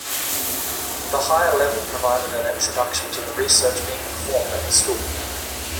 The higher level provided an introduction to the research being performed at the school.